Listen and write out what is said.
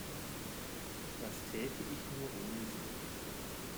Was täte ich nur ohne Sie?